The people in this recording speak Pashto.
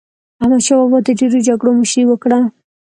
احمدشاه بابا د ډېرو جګړو مشري وکړه.